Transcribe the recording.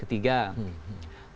pertama dengan pihak ketiga